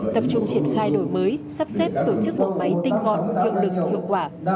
tập trung triển khai đổi mới sắp xếp tổ chức một máy tinh ngọn hượng lực hiệu quả